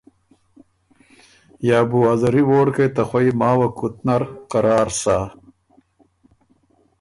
یا بو ا زری ووړکئ ته خوئ ماوه کُت نر قرار سۀ۔